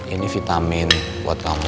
ini vitamin buat kamu